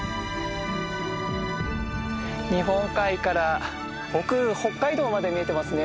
日本海から奥北海道まで見えてますね。